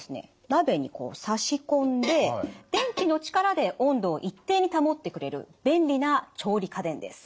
鍋にこう差し込んで電気の力で温度を一定に保ってくれる便利な調理家電です。